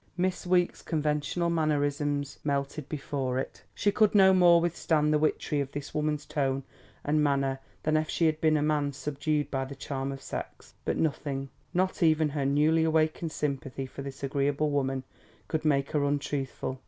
Miss Weeks' conventional mannerisms melted before it. She could no more withstand the witchery of this woman's tone and manner than if she had been a man subdued by the charm of sex. But nothing, not even her newly awakened sympathy for this agreeable woman, could make her untruthful.